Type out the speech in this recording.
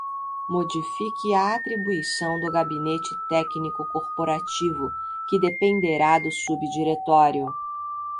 Modifique a atribuição do Gabinete Técnico Corporativo, que dependerá do Subdiretório.